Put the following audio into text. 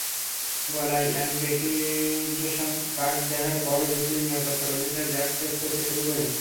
গলায় accreditation card দেখার পরও বিসিবির নিরাপত্তাকর্মীরা ব্যাগ চেক করতে শুরু করলেন।